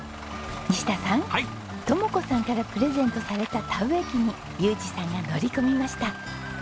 西田さん智子さんからプレゼントされた田植機に裕次さんが乗り込みました。